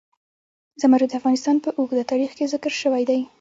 زمرد د افغانستان په اوږده تاریخ کې ذکر شوی دی.